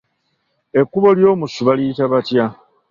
Ekkubo ly’omusu baliyita batya?